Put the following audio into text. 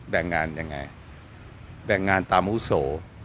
แบ่งงานอย่างไรแบ่งงานตามอุโส